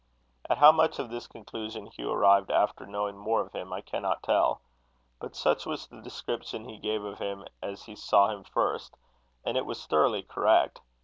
At how much of this conclusion Hugh arrived after knowing more of him, I cannot tell; but such was the description he gave of him as he saw him first: and it was thoroughly correct.